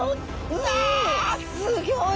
うわあすギョい。